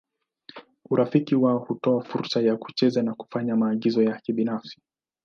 Urafiki wao hutoa fursa ya kucheza na kufanya maagizo ya kibinafsi.